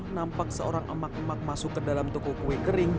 nampak seorang emak emak masuk ke dalam toko kue kering